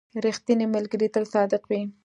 • ریښتینی ملګری تل صادق وي.